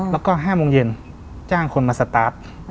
แล้วก็๕โมงเย็นจ้างคนมาสตาร์ท